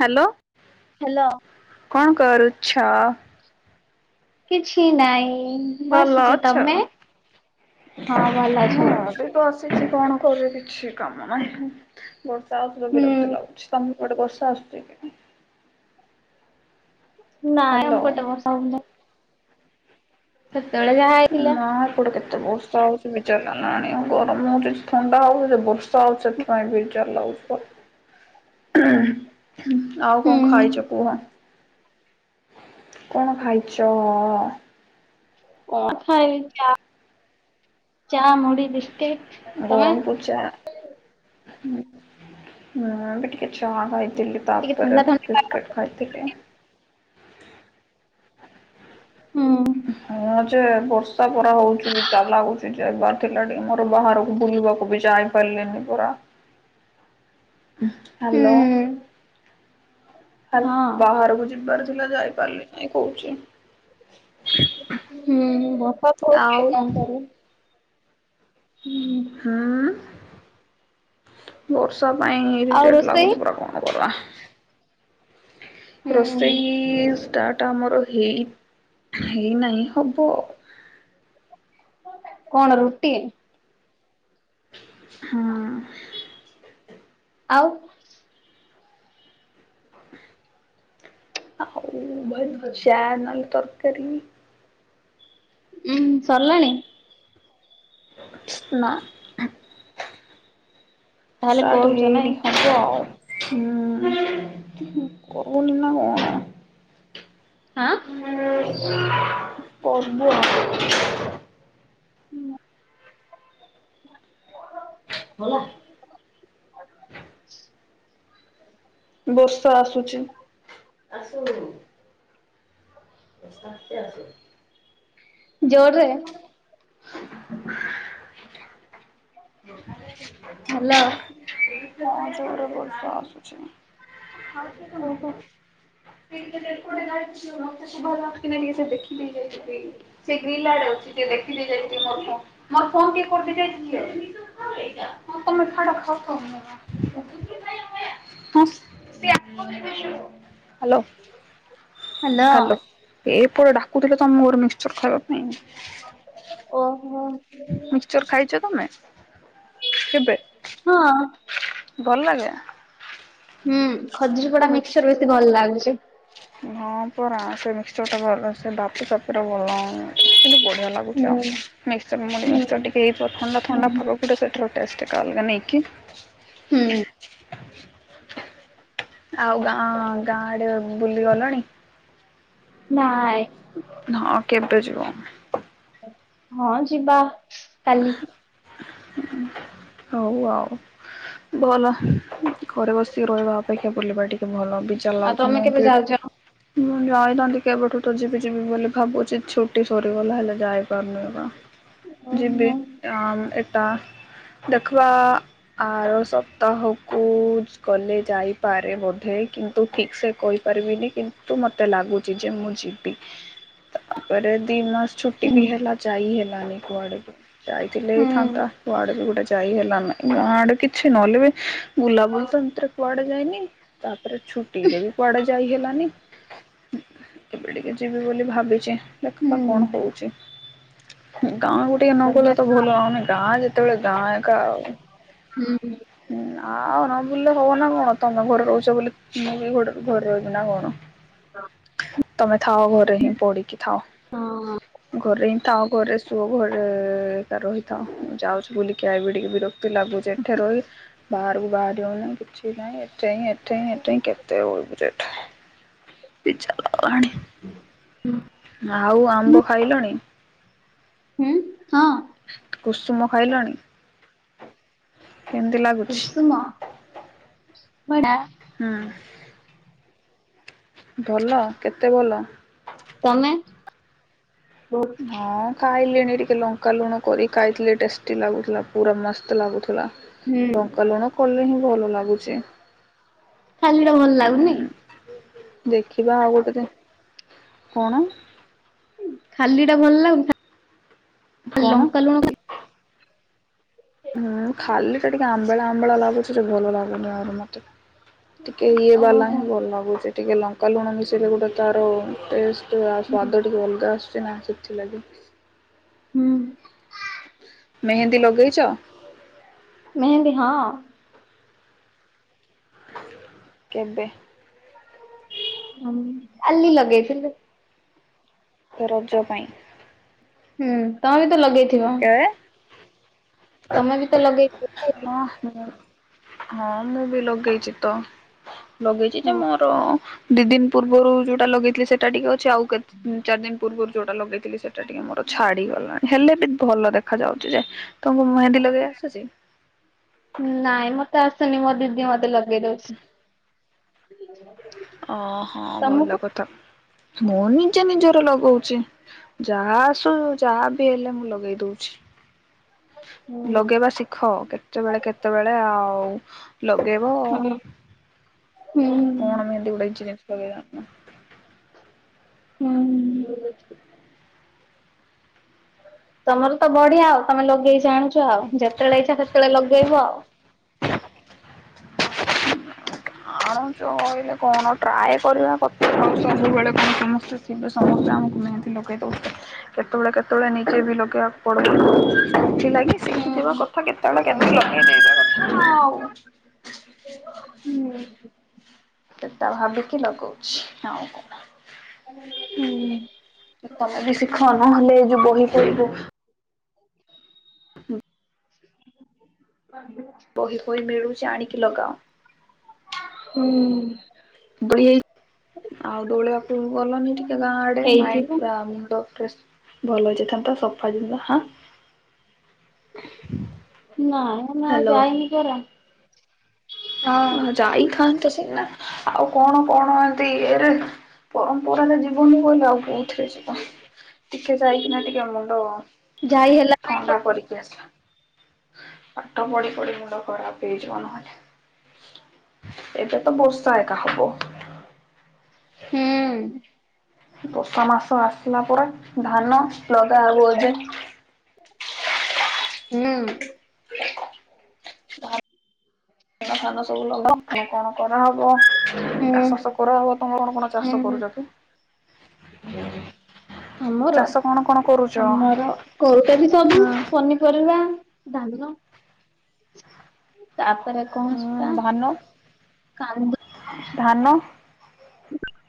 Hello. Hello. କଣ କରୁଛ? କିଛି ନାଇଁ ଭଲ ବସିଛି ଅଛ? ତମେ ହଁ ଭଲ ଅଛି। ଏଇ ତ ଆସିଛି କଣ କରିବି କିଛି କାମ ନାହିଁ ବର୍ଷା ଆଉଥରେ ହୁଁ ବିରକ୍ତି ଲାଗୁଛି ତମେ ଗୋଟେ ବର୍ଷା ଆସୁଛି କି? ନାଇଁ ଆମ ହ୍ୟାଲୋ। ପଟେ ବର୍ଷା ହଉନି କାଇଁ। ସେତେବେଳେ ଯାହା ହେଇଥିଲା [unintelligible] ଏତେ ବର୍ଷା ହଉଚି ବିଜାର ଲାଗିଲାଣି। ଆଉ ଗରମ ହଉ ଥଣ୍ଡା ହଉ ପଛେ ବର୍ଷା ହଉଚି ସେଥିପାଇଁ ବିଜାର ଲାଗୁଚି। ଆଉ ହୁଁ କଣ ଖାଇଚ କୁହ? କଣ ଖାଇଚ? କଣ ଖାଇ ଚା ଚା, ମୁଢି, ବିସ୍କିଟ୍। ଗରମ୍ କୁ ଚା। [unintelligible] ଚାହା ଖାଇଥିଲି ଟିକେ ତାପରେ ଥଣ୍ଡା ଥଣ୍ଡା ବିସ୍କିଟ୍ ଖାଇଥିଲି। ହୁଁ। ହୁଁ ଯେ ବର୍ଷା ପରା ହଉଚି ବିଜାର ଲାଗୁଚି ଯାଇବାର ଥିଲା ଟିକେ ମୋର ବାହାରକୁ ବୁଲିବାକୁ ବି ଯାଇ ପାରିଲିନି ପରା। ହାଲୋ। ହୁଁ ହାଲୋ, ହଁ ବାହାରକୁ ଯିବାର ଥିଲା ଯାଇପାରିଲିନି କହୁଚି। ହୁଁ। ବର୍ଷା ତ ହଉଚି ଆଉ କିଏ କଣ କରିବ। ହୁଁ। ଆଁ ବର୍ଷା ପାଇଁ ଆଉ ଇରିଟେଟ୍ ରୋଷେଇ ଲାଗୁଚି ପୁରା କଣ କରିବା। ହୁଁ ରୋଷେଇ ଷ୍ଟାର୍ଟ ଆମର ହେଇ ହେଇନାହିଁ। ହବ। କଣ ରୁଟି? ହୁଁ। ଆଉ ଆଉ ବାଇ ଚା ନହେଲେ ତରକାରୀ। ଉଁ ସରିଲାଣି? ନା। ତାହେଲେ ଷ୍ଟାର୍ଟ କରୁଛ ହେଇନି ନାଇଁ ହ ହୁଁ। କରୁନି ନା କଣ? ଆଁ। [unintelligible] ଗଲା [inaudible] ବର୍ଷା ଆସୁଚି। ଆସୁ। ବାତ୍ୟା ଆସୁ। ଜୋରରେ? [unintelligible] ହାଲୋ। ହଁ ଜୋରେ ବର୍ଷା ଆସୁଚି। ଓହୋ [unintelligible] ସେ ଦେଖିଦେଇ ଯାଇଚି ଦେଇକି। ସେ ଗ୍ରୀଲ୍ ଆଡେ ଅଛି ଟିକେ ଦେଖିଦେଇ ଯାଇଚି ମୋର୍ ଫୋନ୍ ମୋର୍ ଫୋନ୍ ଟିକେ କରିଦେଇ ଯାଇଚି ହଁ ତମେ ଛାଡ଼ ଖାଉଥ। [unintelligible] [unintelligible] ହାଲୋ। Hello hello. ଏପଟେ ଡାକୁଥିଲେ ତ ମୋର ମିକ୍ସଚର ଖାଇବା ପାଇଁ। ଓହୋ। ମିକ୍ସଚର ଖାଇଚ ତମେ କେବେ? ହଁ। ଭଲ ଲାଗେ? ହୁଁ। ଖଜୁରୀ କୋଉ ପଡା ମିକ୍ସ ମିକ୍ସଚର ବେଶୀ ଭଲ ଲାଗୁଚି। ହଁ ପରା ସେ ମିକ୍ସଚର ଟା ଭଲ। ସେ ବାପି ପାଖରେ ଭଲ ଲାଗେ। କିନ୍ତୁ ବଢିଆ ଲାଗୁ ଚି ହୁଁ ଆଉ। ମିକ୍ସଚର ମୁଢ଼ି ହୁଁ ମିକ୍ସଚର ଟିକେ ହେଇ ପ ଥଣ୍ଡା ହୁଁ ଥଣ୍ଡା ପାଗକୁ ସେଇଟା ସେଇଥିର ଟେଷ୍ଟ ଟା ଅଲଗା ନାଇଁକି। ହୁଁ। ଆଉ ଗାଁ ଗାଁ ଆଡେ ବୁଲି ଗଲଣି? ନାଇଁ। ହଁ, କେବେ ଯିବ? ହଁ, ଯିବା। କାଲି ହଉ ଆଉ। ଭଲ ଘରେ ବସିକି ରହିବା ଅପେକ୍ଷା ବୁଲିବା ଟିକେ ଭଲ। ବିଛା ଆଉ ଲାଗୁଛି ତମେ ମୁଁ କେବେ ବି ଯାଉଛ? ମୁଁ ଯାଇଥାନ୍ତି କେବେଠୁ ତ ଯିବି ଯିବି ବୋଲି ଭାବୁଛି ଛୁଟି ସରିଗଲା ହେଲେ ଯାଇପାରୁନି ଏକା। ଯିବ ଓହୋ ଆଁ ଏଟା ଦେଖିବା ଆର ସପ୍ତାହକୁ ଗଲେ ଯାଇପାରେ ବୋଧେ କିନ୍ତୁ ଠିକ୍ ସେ କହି ପାରିବିନି କିନ୍ତୁ ମତେ ଲାଗୁଛି ଯେ ମୁଁ ଯିବି। ତାପରେ ଦି ମାସ ଛୁଟି ବି ହୁଁ ହେଲା ଯାଇ ହେଲାନି କୁଆଡକୁ। ଯାଇଥିଲେ ହେଇଥାନ୍ତା ହୁଁ କୁଆଡେ ବି ଗୋଟେ ଯାଇ ହେଲାନାହିଁ, ଗାଁ ଆଡେ କିଛି ନହେଲେ ବି ବୁଲାବୁଲି ତ ଏମିତିରେ କୁଆଡେ ଯାଇନି, ତାପରେ ଛୁଟି ରେ ବି କୁଆଡେ ଯାଇ ହେଲାନି। ଏବେ ଟିକେ ଯିବି ବୋଲି ଭାବିଛି, ଦେଖିବା କଣ ହୁଁ ହଉଛି? ଗାଁ କୁ ଟିକେ ନ ଗଲେ କରିବା ତ ଭଲ ଲାଗୁନି, ଗାଁ ଯେତେବେଳେ ଗାଁ ଏକା ଆଉ। ହୁଁ, ହୁଁ। ହୁଁ, ଆଉ ନ ବୁଲିଲେ ହବନା କଣ ତମେ ଘରେ ରହୁଛ ବୋଲି ମୁଁ ବି ଗୋଟେ ଘରେ ରହିବି ନା କଣ? ତମେ ଥାଅ ଘରେ ହିଁ ପଡିକି ଥାଅ। ହଁ। ଘରେ ହିଁ ଥାଅ ଘରେ ଶୁଅ ଘରେ ଏ ତାର ରହିଥାଉ, ମୁଁ ଯାଉଛି ବୁଲିକି ଆଇବି ଟିକିଏ ବିର କ୍ତି ଲାଗୁଛି ଏଠେ ରହି ବାହାରକୁ ବାହାରି ହଉନି କି ଛି ନାଇଁ ଏଠେ ହିଁ ଏଠେ ହିଁ ଏଠେ ହିଁ କେତେ ବାବୁ ଯେ ଏବେ? [inaudible] ଆଉ ଆମ୍ବ ଖାଇଲଣି? ହୁଁ, ହଁ। କୁସୁମ ଖାଇଲଣି କେମତି ଲାଗୁ କୁସୁମ ଆମ୍ବଡା ହୁଁ। ଭଲ କେତେ ଭଲ? ତମେ? ହୁଁ ହଁ, ଖାଇଲିଣି ଟିକେ ଲଙ୍କା ଲୁଣ କରି ଖାଇଥିଲି ଟେଷ୍ଟି ଲାଗୁଥିଲା। ପୁରା ମସ୍ତ ଲାଗୁଥିଲା, ଲଙ୍କା ଲୁଣ କଲେ ହିଁ ଭଲ ଲାଗୁଛି। ଖାଲିରେ ଭଲ ହୁଁ। ଲାଗୁନି? ଦେଖିବା ଆଉ ଗୋଟେ ଦିନ, କଣ? ଖାଲି ଟା ଭଲ ଲାଗୁନି, କଣ? ଲଙ୍କା ଲୁଣ କି [unintelligible] ହୁଁ, ଖାଲି ଟା ଟିକେ ଆମ୍ବିଳା ଆମ୍ବିଳା ଲାଗୁଛି ଯେ ଭଲ ଲାଗୁନି ଆଉ ମତେ। ଟିକେ ଇଏ ଓହୋ ବାଲା ହିଁ ଭଲ ଲାଗୁଛି ଟିକେ ଲଙ୍କା ଲୁଣ ମିଶେଇଲେ ଗୋଟେ ତାର ଟଷ୍ଟ ସ୍ବାଦ ଟିକେ ଅଲଗା ଆସୁଛି ନା ସେଥିଲାଗି। ହୁଁ। ମେହେନ୍ଦୀ ଲଗେଇଛ? ମେହେନ୍ଦୀ, ହଁ। କେବେ? ହଁ, ମୁଁ କାଲି ଲଗେଇଥିଲି। ତ ରଜ ପାଇଁ। ହୁଁ, ତମେ ବି ତ ଲଗେଇଥିବ? ଏ ତମେ ବି ତ ଲଗେଇ [unintelligible] ହଁ ମୁଁ ହଁ ମୁଁ ବି ଲଗେଇଛି ତ। ଲଗେଇଛି ଯେ ହୁଁ ମୋର ତ ଦି ଦିନ ପୂର୍ବରୁ ଯୋଉଟା ଲଗେଇଥିଲେ ସେ ସେଟା ଟିକେ ଅଛି। ଆଉ କେତେ ଦ ଚାରି ଦିନି ପୂର୍ବରୁ ଯୋଉଟା ଲଗେଇଥିଲି ସେଟା ଟିକେ ମୋର ଛାଡିଗଲାଣି। ହେଲେ ବି ଭଲ ଦେଖା ଯାଉଛି ଯେ। ତମକୁ ମେହେନ୍ଦୀ ଲଗେଇ ଆସୁଛି? ନାଇଁ ମତେ ଆସୁନି ମୋ ଦିଦି ମତେ ଲଗେଇଦଉଛି। ହ [unintelligible] ଓ ହଁ ଭଲ କଥା। ମୁଁ ନିଜେ ନିଜର ଲଗଉଛି। ଯାହା ଆସୁ ଯାହା ବି ହେଲେ ମୁଁ ଲଗେଇ ଦଉଛି। ହୁଁ ଲଗେଇବା ଶିଖ, କେତେବେଳେ କେତେବେଳେ ଆଉ ଲଗେଇବ। ହୁଁ କଣ ମେହେନ୍ଧୀ ଗୋଟେ ଜିନିଷ ଲଗେଇ ଜାଣିନ ହଁ। ତମର ତ ବଢିଆ ଆଉ ତମେ ଲଗେଇ ଜାଣିଛ। ଯେତେବେଳେ ଇଚ୍ଛା ସେତେବେଳେ ଲଗେଇବ ଆଉ। ଆଣ କହିଲେ କଣ ଟ୍ରାଏ କରିବା କଥା, ଆଉ ସବୁବେଳେ କଣ ସମସ୍ତେ କିନ୍ତୁ ସମସ୍ତେ ଆମକୁ ମେହେନ୍ଧୀ ଲଗେଇ ଦେଉ କେତେବେଳେ, କେତେବେଳେ ନିଜେ ବି ଲଗେଇବାକୁ ପଡିବ ନା। ସେଥି ଲା ହୁଁ ଶିଖିଥିବା କଥା କେତେବେଳେ, କେମିତି ଲଗେଇବା କଥା ନା ଆଉ। ହୁଁ। ସେଟା ଭାବିକି ଲଗଉଛି। ଆଉ କଣ। ହୁଁ। ଏ ତମେ ବି ଶିଖ। ନହେଲେ ଏଇ ଯୋଉ ବହି ପଢିବ ହୁଁ। [inaudible] ବହି ଫଇ ମିଳୁଛି ଆଣିକି ଲଗାଅ। ହୁଁ। ଦୋଳିଆାଇ, ଆଉ ଦୋଳିଆ କୁ ଗଲନି ଟିକେ। ଗାଁ ଆଡେ ମାଇଣ୍ଡ ହେଇଥିବ ପୁରା, ମୁଣ୍ଡ ଫ୍ରେସ୍ ଭଲ ହେଇଚି। ତମେ ପା ସଫା [unintelligible] ନା ଏଇନାଆଉ ହ୍ୟାଲୋ ଯାଇନି ପରା। ହଁ ଯାଇଥାନ୍ତ ସିନା। ଆଉ କଣ କଣ ଏତି ଇରେ ପରମ୍ପରାରେ ଜି ଜୀବନ କହିଲ, ଆଉ କୋଉ ଥିରେ ଯିବ? ଟିକେ ଯାଇକିନା ଟିକେ ମୁଣ୍ଡ ଯାଇ ହେଲା ନାଇଁ ଥଣ୍ଡା କରିକି ଆସ। ପାଠ ପଢି ପଢି ମୁଣ୍ଡ ଖରାପ ହେଇ ଯିବ ନହେଲେ। ଏବେ ତ ବର୍ଷା ଏକା ହବ। ହୁଁ। ବର୍ଷା ମାସ ଆସିଲା ପରେ, ଧାନ ଲଗା ହବ ଏବେ। ହୁଁ। ଧାନ, ଫାନ ସବୁ ଲଗା ହବ। ଆଉ କଣ କରାହବ? ଚାଷ ହୁଁ। ବାଷ କରାହବ। ତମର କଣ ଚାଷ ହୁଁ କରୁଛନ୍ତି। ଆମର ଚାଷ କଣ, କଣ କରୁଛ? ଆମର କରୁଛନ୍ତି ସବୁ, ହୁଁ ପନିପରିବା ଧାନ। ତାପରେ କଣ? ସେଟା ହୁଁ ଧାନ, କାନ୍ଦୁରି ଧାନ।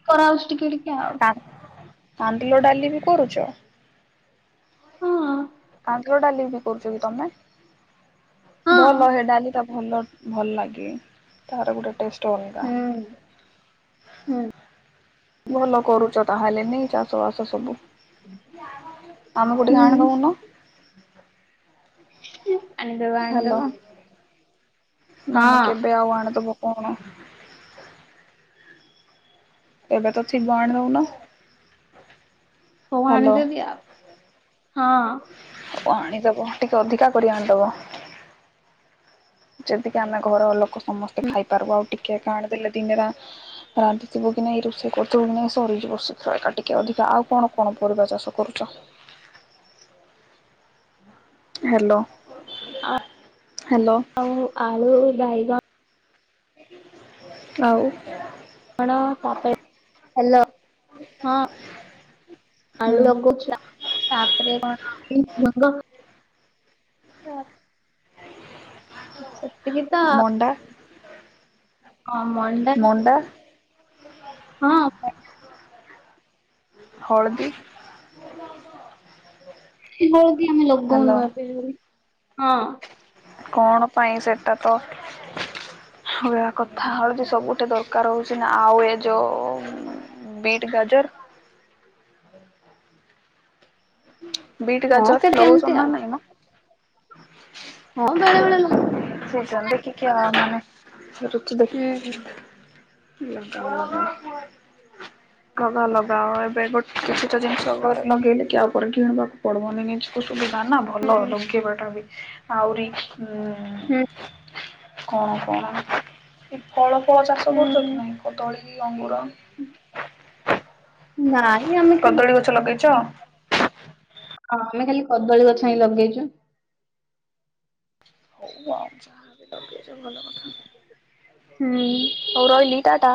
କରା ହୋଉଛି ଟିକେ ଟିକେ ଆଉ। କାନ୍ଦିଲ ଡାଲି ବି କରୁଛ? ହଁ। କାନ୍ଦିଲ ଡାଲି ବି କରୁଛ କି ତମେ? ହଁ ଭଲ ହେ ଡାଲି ଟା ଭଲ ଭଲ ଲାଗେ। ତାର ଗୋଟେ ଟେଷ୍ଟ୍ ଅଲଗା। ହୁଁ ଭଲ କରୁଛ ତାହେଲେ ନେଇ ଚାଷ ବାସ ସବୁ? ଆମ କୁ ହୁଁ ଟିକେ ଆଣି ଦଉନ? ହୁଁ ଆଣିଦବ ହାଲୋ। ଆଣିଦବ ମାନେ ହଁ କେବେ ଆଉ ଆଣିଦବ କୋହୁନ। ଏବେ ତ ଥିବ ଆଣି ଦଉନ? ହଉ ଆଣିଦେବି ଆଉ। ଆଉ ଆଣିଦବ ଟିକେ ଅଧିକା କରି ଆଣିଦବ। ଯେତିକି ଆମେ ଘର ଲୋକ ସମସ୍ତେ ଖାଇପାରିବୁ। ଆଉ ଟିକେ କାଣ ଦେଲେ ଦିନେରେ ରାନ୍ଧିଥିବୁ କି ନାଇ ଏଇ ରୋଷେଇ କରୁଥିବୁ କି ନାଇ ସରିଯିବ ଶୀଘ୍ର ଏକା ଟିକେ ଅଧିକା। ଆଉ କଣ କଣ ପରିବା ଚାଷ କରୁଚ? Hello hello. ଆଉ ଆଳୁ ଆଳୁ ବାଇଗ ଆଉ? ଗଣ ତା ପରେ ହ୍ୟାଲୋ। ହୁଁ ଆଳୁ ଲଗେଇଚି ଆଉ ତାପରେ କଣ ହ ତ ସେତିକି ତ ମଣ୍ଡା ହଁ ମଣ୍ଡା ହଁ। ହଳଦି। ହଳଦି ବି ଆମେ ହ୍ୟାଲୋ ଲଗାଉନୁ ଏବେ ହଁ। କଣ ପାଇଁ ସେଇଟା ତ ଲଗେଇବା କଥା ହଳଦି ସବୁଠୀ ଦରକାର ହଉଚି ନା। ଆଉ ଏ ଯୋଉ ବିଟ, ଗାଜର ବିଟ, ହଁ କେ ଗାଜର କେମିତି ଲଗେଇଚନ୍ତି ନା ଆଉ ନାଇଁ ମ। ହଁ ବେଳେ ବେଳେ ଲଗେ ଜନ୍ଦେ କି ଅ ମାନେ ଋତୁ ଦେଖି। ହୁଁ ହୁ ଲଗା ଲଗାଅ ଏବେ ଗୋଟେ କିଛିଟା ଜିନିଷ ଘରେ ଲଗେଇଲେ କି ଆଉ ପରେ କିଣିବାକୁ ପଡିବନି। ନିଜକୁ ସୁବିଧା ନା ଭଲ ଲଗେଇବା ଟା ବି। ଆହୁରି ଉଁ ହୁଁ କଣ କଣ? ଏ ଫଳ ଫଳ ଚାଷ କରୁଚ ହୁଁ କି ନାଇଁ କଦଳୀ କି ଅଙ୍ଗୁର? ନାଇଁ ଆମେ ଖାଲି କଦଳୀ ଗଛ ଲଗେଇଚ? ହଁ ଆମେ ଖାଲି କଦଳୀ ଗଛ ହିଁ ଲଗେଇଚୁ। ହଉ ଆଚ୍ଛା ଲଗେଇଚ ଭଲ କଥା। ହୁଁ। ହଉ ରହିଲିି ଟାଟା।